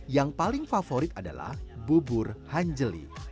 yang paling favorit adalah bubur hanjeli